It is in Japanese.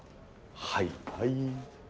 はいはい。